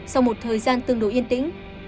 sau một thời gian tương đối yên tĩnh